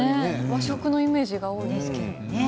和食のイメージが多いです。